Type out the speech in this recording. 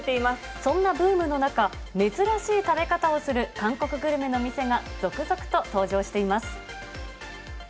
そんなブームの中、珍しい食べ方をする韓国グルメの店が続々と登場しています。